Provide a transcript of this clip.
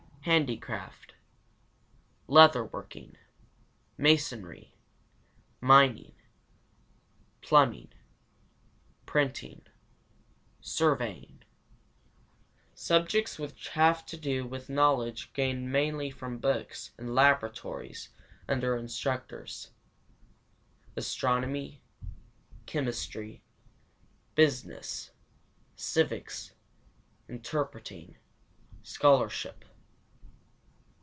4. Handicraft. 5. Leather working. 6. Masonry. 7. Mining. 8. Plumbing. 9. Printing. 10. Surveying. VI. Subjects which have to do with knowledge gained mainly from books and laboratories, under instructors. 1. Astronomy. 2. Chemistry. 3. Business. 4. Civics. 5. Interpreting. 6. Scholarship.